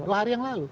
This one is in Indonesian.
dua hari yang lalu